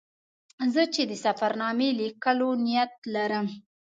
زه چې د سفر نامې لیکلو نیت لرم.